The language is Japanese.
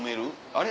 あれ？